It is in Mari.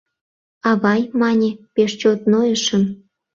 — Авай, — мане, — пеш чот нойышым.